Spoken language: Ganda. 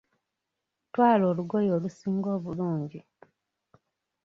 Twala olugoye olusinga obulungi.